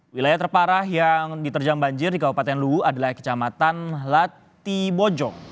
wilayah terparah yang diterjang banjir di kabupaten luwu adalah kecamatan latibojong